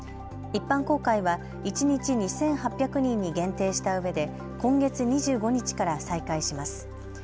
一般公開は一日２８００人に限定したうえで今月２５日から再開します。